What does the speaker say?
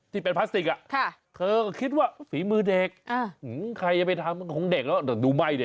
ที่เป็นพลาสติกเธอก็คิดว่าฝีมือเด็กใครจะไปทำของเด็กแล้วดูไหม้ดิ